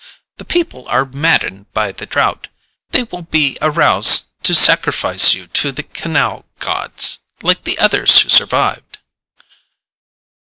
"The people are maddened by the drought. The will be aroused to sacrifice you to the Canal Gods, like the others who survived."